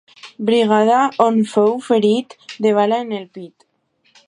Brigada, on fou ferit de bala en el pit.